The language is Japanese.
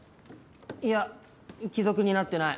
いや既読になってない。